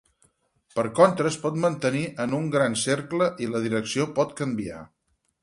Per contra, es pot mantenir en un gran cercle i la direcció pot canviar.